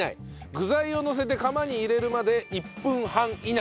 具材をのせて窯に入れるまで１分半以内。